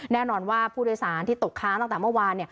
แน่นอนว่าผู้โดยสารที่ตกค้างตั้งแต่เมื่อวาน